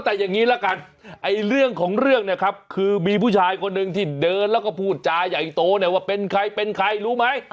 แต่อย่างนี้ละกันเรื่องของเรื่องเนี่ยครับคือมีผู้ชายคนหนึ่งที่เดินแล้วก็พูดจาใหญ่โตเนี่ยว่าเป็นใครเป็นใครรู้ไหม